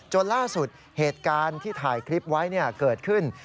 ล่าสุดเหตุการณ์ที่ถ่ายคลิปไว้เกิดขึ้น